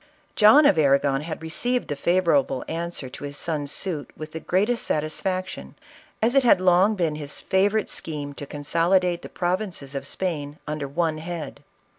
John of Arragon had received the favorable answer to his son's suit with the greatest satisfaction, as it had long been his favorite scheme to consolidate the prov inces of Spain under one head.